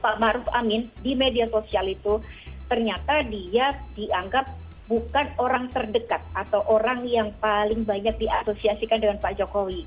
pak maruf amin di media sosial itu ternyata dia dianggap bukan orang terdekat atau orang yang paling banyak diasosiasikan dengan pak jokowi